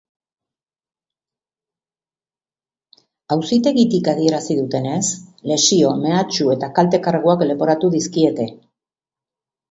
Auzitegitik adierazi dutenez, lesio, mehatxu eta kalte karguak leporatu dizkiete.